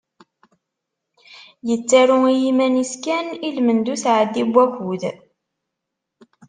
Yettaru i yiman-is kan i lmend n usεeddi n wakud.